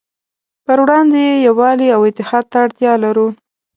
پروړاندې یې يووالي او اتحاد ته اړتیا لرو.